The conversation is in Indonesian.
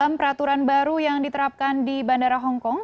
dalam peraturan baru yang diterapkan di bandara hongkong